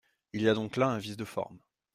Il y a donc là un vice de forme.